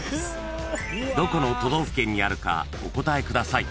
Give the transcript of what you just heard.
［どこの都道府県にあるかお答えください］